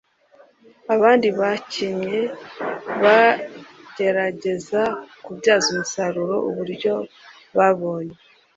Abandi bakinnye bagerageza kubyaza umusaruro uburyo babonye